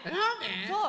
そう！